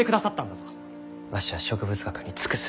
わしは植物学に尽くす。